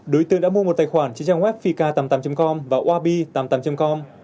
đối tượng đã mua một tài khoản trên trang web fika tám mươi tám com và wabi tám mươi tám com